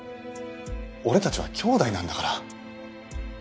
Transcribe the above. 俺たちは兄弟なんだから。